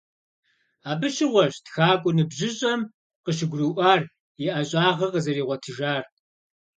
Абы щыгъуэщ тхакӀуэ ныбжьыщӀэм къыщыгурыӀуар и ӀэщӀагъэр къызэригъуэтыжар.